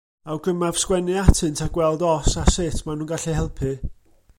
Awgrymaf sgwennu atynt a gweld os a sut maen nhw'n gallu helpu.